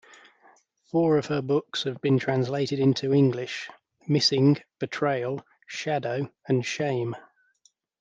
Four of her books have been translated into English: "Missing", "Betrayal", "Shadow" and "Shame".